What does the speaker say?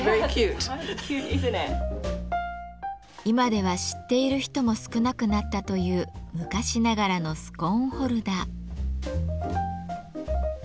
今では知っている人も少なくなったという昔ながらのスコーンホルダー。